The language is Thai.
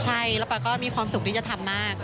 ใช่แล้วปอยก็มีความสุขที่จะทำมาก